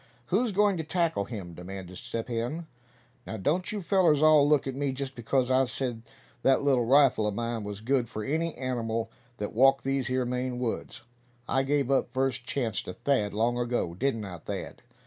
"Who's goin' to tackle him?" demanded Step Hen. "Now, don't you fellers all look at me, just because I said that little rifle of mine was good for any animal that walked these here Maine woods. I gave up first chance to Thad long ago, didn't I, Thad?